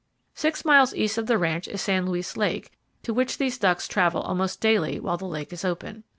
Six miles east of the ranch is San Luis lake, to which these ducks travel almost daily while the lake is open.